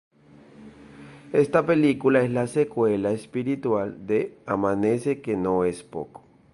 Esta película es la "secuela espiritual" de "Amanece que no es poco.